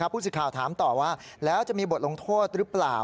ผู้สื่อข่าวถามต่อว่าแล้วจะมีบทลงโทษหรือเปล่า